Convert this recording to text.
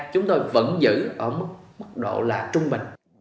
chúng tôi vẫn giữ ở mức độ là trung bình